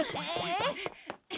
えっ？